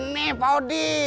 nih pak odi